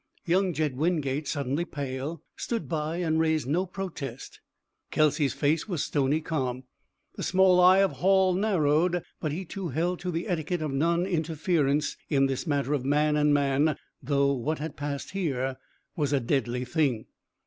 Young Jed Wingate, suddenly pale, stood by and raised no protest. Kelsey's face was stony calm. The small eye of Hall narrowed, but he too held to the etiquette of non interference in this matter of man and man, though what had passed here was a deadly thing.